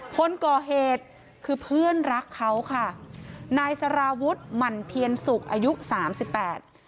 คนก่อเหตุคือเพื่อนรักเขาค่ะนายสารวุฒิหมั่นเพียรสุกอายุสามสิบแปด